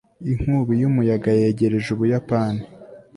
inkubi y'umuyaga yegereje ubuyapani